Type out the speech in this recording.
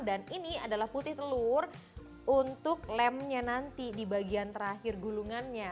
dan ini adalah putih telur untuk lemnya nanti di bagian terakhir gulungannya